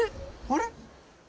あれ？